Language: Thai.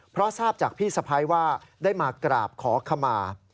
เพราะทราบจากพี่สะพ้ายว่าได้มากราบขอขมา